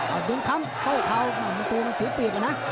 เอาดุงค้ำเต้าเท้ามันตัวมันสีปีกอ่ะนะ